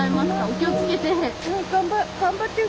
お気をつけて。